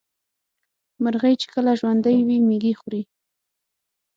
مرغۍ چې کله ژوندۍ وي مېږي خوري.